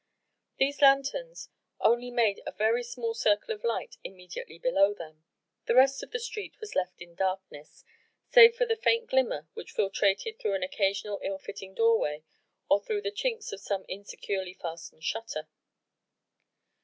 These lanthorns only made a very small circle of light immediately below them: the rest of the street was left in darkness, save for the faint glimmer which filtrated through an occasional ill fitting doorway or through the chinks of some insecurely fastened shutter.